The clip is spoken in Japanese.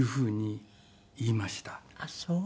あっそう。